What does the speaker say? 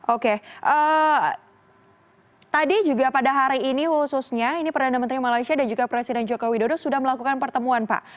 oke tadi juga pada hari ini khususnya ini perdana menteri malaysia dan juga presiden joko widodo sudah melakukan pertemuan pak